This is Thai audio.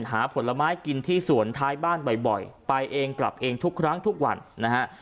ผลไม้กินที่สวนท้ายบ้านบ่อยไปเองกลับเองทุกครั้งทุกวันนะฮะ